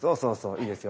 いいですよ。